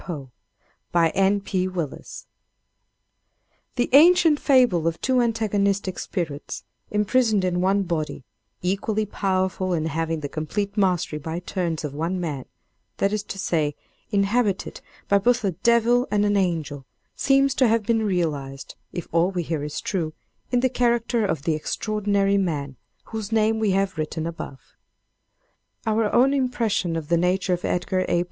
POE By N. P. Willis The ancient fable of two antagonistic spirits imprisoned in one body, equally powerful and having the complete mastery by turns of one man, that is to say, inhabited by both a devil and an angel seems to have been realized, if all we hear is true, in the character of the extraordinary man whose name we have written above. Our own impression of the nature of Edgar A.